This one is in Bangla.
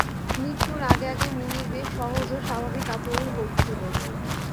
মৃত্যুর আগে-আগে মুনির বেশ সহজ ও স্বাভাবিক আচরণ করছিল।